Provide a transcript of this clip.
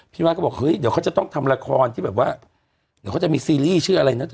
บ้านก็บอกเฮ้ยเดี๋ยวเขาจะต้องทำละครที่แบบว่าเดี๋ยวเขาจะมีซีรีส์ชื่ออะไรนะเธอ